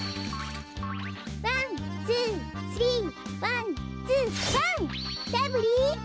ワンツースリーワンツーワンラブリー。